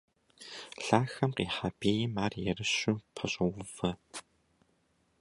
Лъахэм къихьа бийм ар ерыщу пэщӀоувэ.